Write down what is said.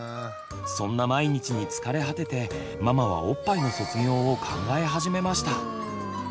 そんな毎日に疲れ果ててママはおっぱいの卒業を考え始めました。